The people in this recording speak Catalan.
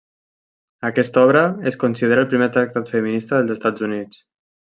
Aquesta obra es considera el primer tractat feminista dels Estats Units.